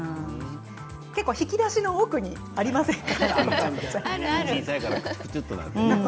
結構、引き出しの奥にありませんか？